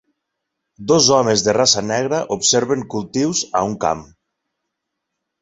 Dos homes de raça negra observen cultius a un camp.